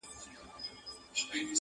جهاني چي پکښي ستایي مرکې د شمله ورو!!